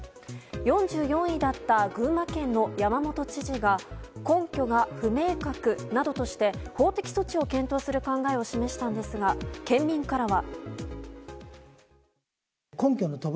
４４位だった群馬県の山本知事が根拠が不明確などとして法的措置を検討する考えを示したんですが、県民からは。